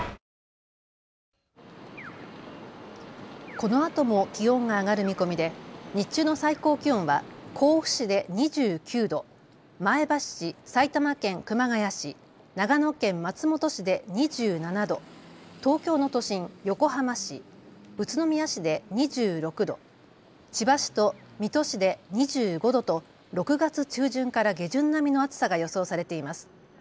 このあとも気温が上がる見込みで日中の最高気温は甲府市で２９度、前橋市、埼玉県熊谷市、長野県松本市で２７度、東京の都心、横浜市、宇都宮市で２６度、千葉市と水戸市で２５度と６月中旬から下旬並みの暑さが予想されています。